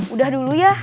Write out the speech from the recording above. udah dulu ya